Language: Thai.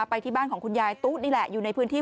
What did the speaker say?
ไปที่บ้านของคุณยายตุ๊นี่แหละอยู่ในพื้นที่